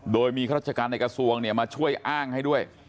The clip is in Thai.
โดยมีรัชการในกระทรวงเนี่ยมาช่วยอ้างให้ด้วย